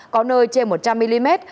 có nơi trên một trăm linh mm